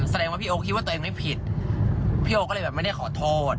แสดงว่าพี่โอ๊คิดว่าตัวเองไม่ผิดพี่โอก็เลยแบบไม่ได้ขอโทษ